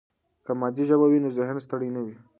که مادي ژبه وي، نو ذهن ستړي نه وي.